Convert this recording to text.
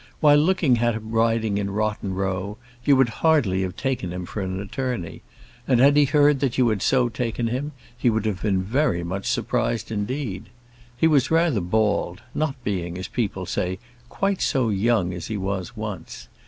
While looking at him riding in Rotten Row, you would hardly have taken him for an attorney; and had he heard that you had so taken him, he would have been very much surprised indeed. He was rather bald; not being, as people say, quite so young as he was once.